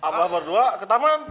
apa berdua ke taman